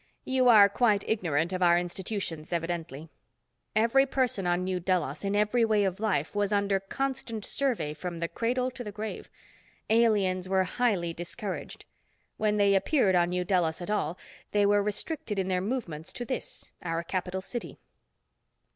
"You are quite ignorant of our institutions, evidently. Every person on New Delos, in every way of life, was under constant survey from the cradle to the grave. Aliens were highly discouraged. When they appeared on New Delos at all, they were restricted in their movements to this, our capital city."